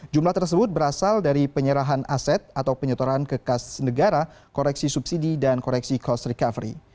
jumlah tersebut berasal dari penyerahan aset atau penyetoran kekas negara koreksi subsidi dan koreksi cost recovery